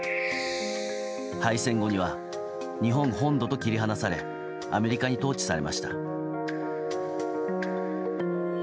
敗戦後には日本本土と切り離されアメリカに統治されました。